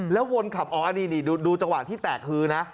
แล้ววนขับอ๋ออันนี้นี่ดูจังหวะที่แตกฮือนะ